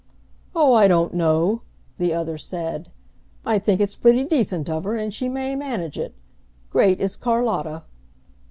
"Oh, I don't know," the other said. "I think it's pretty decent of her, and she may manage it. Great is Carlotta!'"